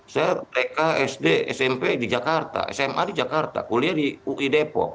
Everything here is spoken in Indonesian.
saya pk sd smp di jakarta sma di jakarta kuliah di ui depok